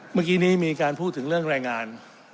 เมื่อกี้นี้มีการพูดถึงเรื่องแรงงาน